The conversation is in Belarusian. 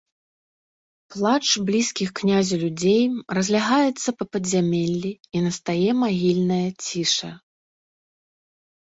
Плач блізкіх князю людзей разлягаецца па падзямеллі, і настае магільная ціша.